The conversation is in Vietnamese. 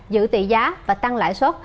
giữ tỷ giá và tăng lãi suất